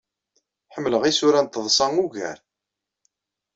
Ḥemmleɣ isura n teḍṣa ugar.